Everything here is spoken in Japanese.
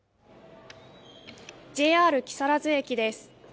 ＪＲ木更津駅です。